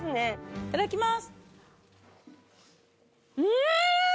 いただきます。